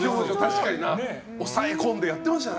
抑え込んでやってましたね。